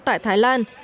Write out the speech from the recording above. tại thái lan